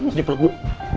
sini peluk dulu